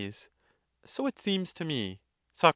So it seems to me. Soc.